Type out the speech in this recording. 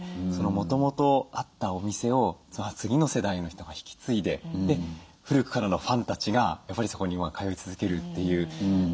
もともとあったお店を次の世代の人が引き継いでで古くからのファンたちがやっぱりそこに今通い続けるという。